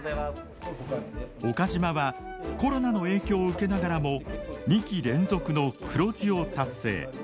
岡島はコロナの影響を受けながらも２期連続の黒字を達成。